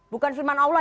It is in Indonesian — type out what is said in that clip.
bukan firman allah